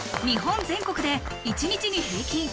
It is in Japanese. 日本全国で一日に平均